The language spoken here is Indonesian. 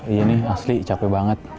iya ini asli capek banget